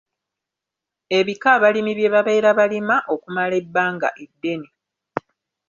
Ebika abalimi bye babeera balima okumala ebbanga eddene.